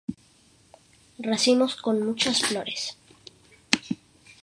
Racimos con muchas flores.